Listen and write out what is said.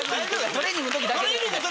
トレーニングの時だけだね。